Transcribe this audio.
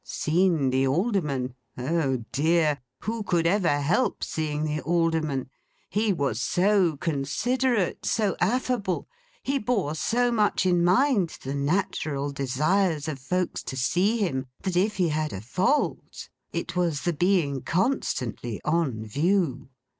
Seen the Alderman? Oh dear! Who could ever help seeing the Alderman? He was so considerate, so affable, he bore so much in mind the natural desires of folks to see him, that if he had a fault, it was the being constantly On View.